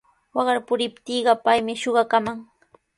Waqar puriptiiqa paymi shuqakaman.